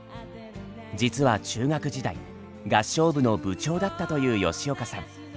実は中学時代合唱部の部長だったという吉岡さん。